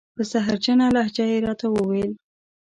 په زهرجنه لهجه یې را ته و ویل: